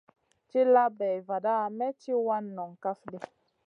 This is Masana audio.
Tilla bay vada may tì wana nong kaf ɗi.